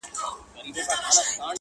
• ښکاري ګوري موږکان ټوله تاوېږي,